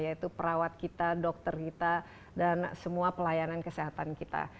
yaitu perawat kita dokter kita dan semua pelayanan kesehatan kita